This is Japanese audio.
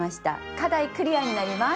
課題クリアになります！